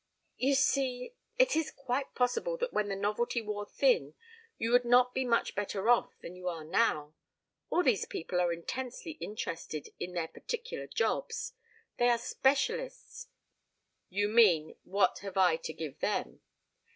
"You see it is quite possible that when the novelty wore thin you would not be much better off than you are now. All these people are intensely interested in their particular jobs. They are specialists. You " "You mean, what have I to give them?"